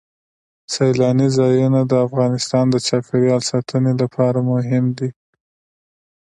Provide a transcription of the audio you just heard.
سیلاني ځایونه د افغانستان د چاپیریال ساتنې لپاره مهم دي.